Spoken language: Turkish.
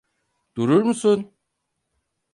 Durur musun?